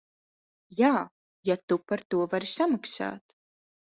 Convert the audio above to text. Jā, ja tu par to vari samaksāt.